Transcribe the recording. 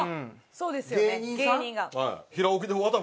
そうですよね芸人が。